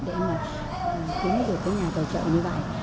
để mà kiếm được cái nhà tài trợ như vậy